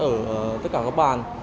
ở tất cả các bàn